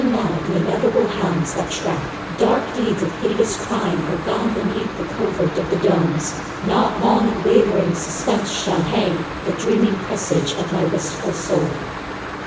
Even now the inevitable hounds that track Dark deeds of hideous crime Are gone beneath the covert of the domes. Not long in wavering suspense shall hang The dreaming presage of my wistful soul.